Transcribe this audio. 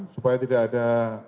supaya tidak ada